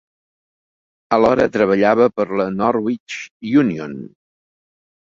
Alhora, treballava per a Norwich Union.